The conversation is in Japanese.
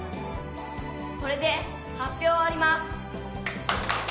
これで発表を終わります。